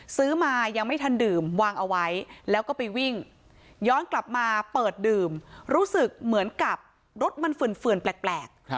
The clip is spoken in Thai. ซื้อมายังไม่ทันดื่มวางเอาไว้แล้วก็ไปวิ่งย้อนกลับมาเปิดดื่มรู้สึกเหมือนกับรถมันเฝื่อนแปลก